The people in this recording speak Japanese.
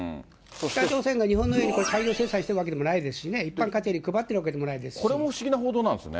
北朝鮮が日本のように大量生産しているわけでもないですもんね、一般家庭に配ってるわけでもないですし。これも不思議な報道なんですね。